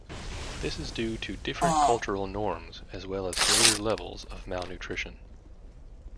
This is due to different cultural norms as well as greater levels of malnutrition.